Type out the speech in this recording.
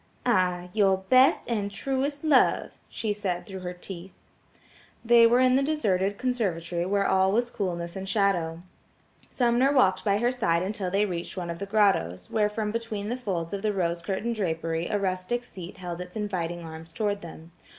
"Aye, your best and truest love," she said through her teeth. They were in the deserted conservatory where all was coolness and shadow; Sumner walked by her side until they reached one of the grottoes, where from between the folds of the rose curtain drapery a rustic seat held its inviting arms toward them.